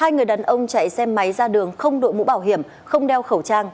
hai người đàn ông chạy xe máy ra đường không đội mũ bảo hiểm không đeo khẩu trang